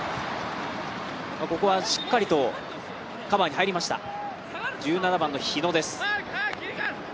ここはしっかりとカバーに入りました１７番の日野です。